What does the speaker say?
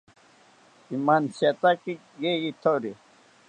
Imantsiataki yeyithori